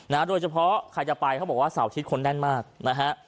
นะฮะโดยเฉพาะใครจะไปเขาบอกว่าเสาทิศคนแน่นมากนะฮะ